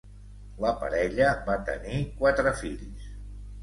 La parella va tenir quatre fills.